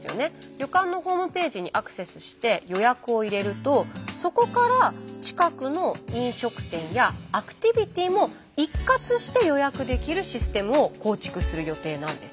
旅館のホームページにアクセスして予約を入れるとそこから近くの飲食店やアクティビティも一括して予約できるシステムを構築する予定なんです。